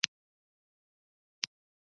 پروټون په هسته کې کوم چارچ لري.